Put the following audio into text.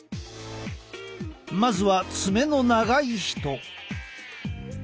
まずは爪の長い人。